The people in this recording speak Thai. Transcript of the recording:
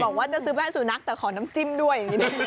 บอกว่าจะซื้อไปให้สูนักแต่ขอน้ำจิ้มด้วย